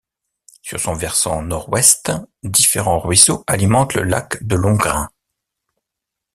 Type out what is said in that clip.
Sur son versant nord-ouest différents ruisseaux alimentent le lac de l'Hongrin.